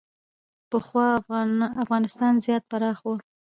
پخوا افغانستان زیات پراخ و